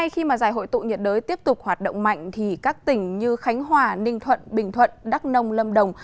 khi giải hội tụ nhiệt đới tiếp tục hoạt động mạnh thì các tỉnh như khánh hòa ninh thuận bình thuận đắk nông lâm đồng